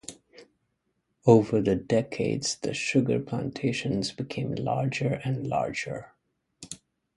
Over the decades, the sugar plantations became larger and larger.